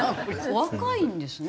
お若いんですね。